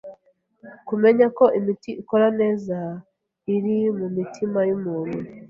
Kumenya ko imiti ikora neza iri mumitima yumuntu